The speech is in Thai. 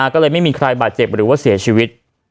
ก็เลยไม่มีใครบาดเจ็บหรือว่าเสียชีวิต